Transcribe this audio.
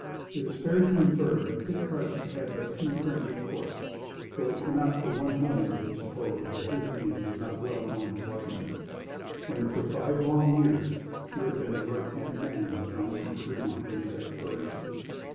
It is fair to infer, that Kit Carson had but few friends at court, though it cannot for one moment be supposed that his name was not well known at Washington, when for five long years he had been the right hand man of John C. Fremont in his explorations.